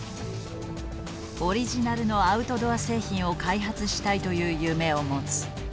オリジナルのアウトドア製品を開発したいという夢を持つ。